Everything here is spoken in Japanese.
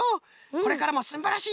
これからもすんばらしい